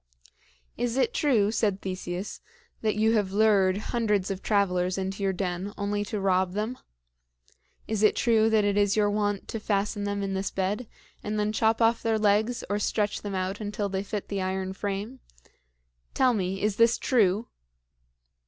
"Is it true," said Theseus, "that you have lured hundreds of travelers into your den only to rob them? Is it true that it is your wont to fasten them in this bed, and then chop off their legs or stretch them out until they fit the iron frame? Tell me, is this true?"